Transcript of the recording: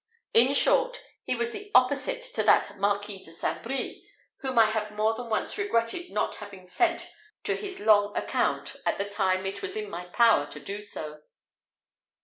In short, he was the opposite to that Marquis de St. Brie whom I had more than once regretted not having sent to his long account at the time it was in my power to do so.